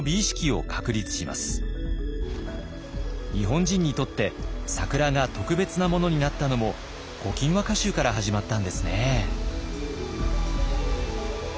日本人にとって桜が特別なものになったのも「古今和歌集」から始まったんですね。